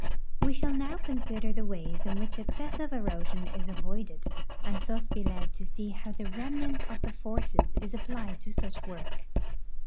We shall now consider the ways in which excessive erosion is avoided, and thus be led to see how the remnant of the forces is applied to such w'ork.